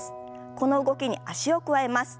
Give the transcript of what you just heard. この動きに脚を加えます。